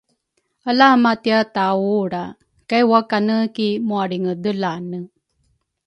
ala matia taulra kai wakane ki mualringedelane.